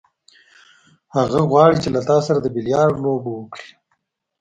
هغه غواړي چې له تا سره د بیلیارډ لوبه وکړي.